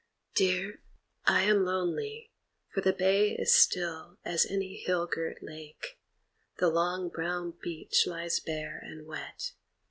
Dear, I am lonely, for the bay is still As any hill girt lake; the long brown beach Lies bare and wet.